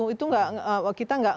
itu kita gak